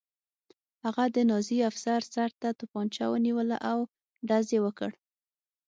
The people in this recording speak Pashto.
هغه د نازي افسر سر ته توپانچه ونیوله او ډز یې وکړ